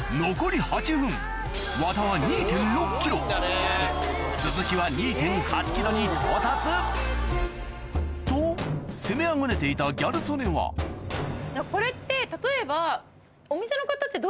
和田は鈴木はに到達と攻めあぐねていたギャル曽根はこれって例えば。